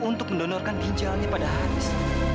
untuk mendonorkan ginjalnya pada hanis